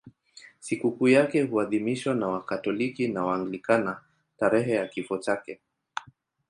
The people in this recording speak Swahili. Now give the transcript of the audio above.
Sikukuu yake huadhimishwa na Wakatoliki na Waanglikana tarehe ya kifo chake.